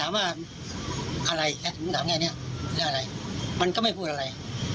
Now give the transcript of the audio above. ไม่ได้พูดอะไร